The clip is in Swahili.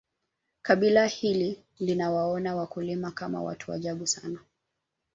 kabila hili linawaona wakulima Kama watu ajabu sana